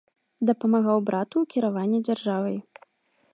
Дапамагаў брату ў кіраванні дзяржавай.